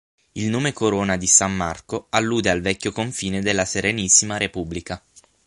Il nome Corona di San Marco allude al vecchio confine della Serenissima Repubblica.